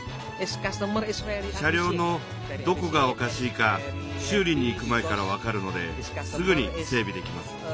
車両のどこがおかしいか修理に行く前からわかるのですぐに整びできます。